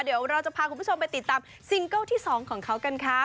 เดี๋ยวเราจะพาคุณผู้ชมไปติดตามซิงเกิลที่๒ของเขากันค่ะ